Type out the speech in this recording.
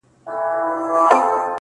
ځيني يې درد بولي ډېر,